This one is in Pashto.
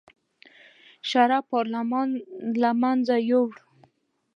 اشرافي پارلمان له منځه یې یووړ.